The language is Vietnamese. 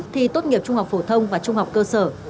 thi tốt nghiệp trung học phổ thông và trung học cơ sở